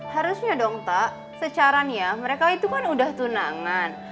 harusnya dong pak secara nih ya mereka itu kan udah tunangan